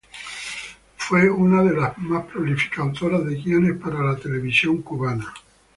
Fue una de las más prolíficas autoras de guiones para la televisión cubana.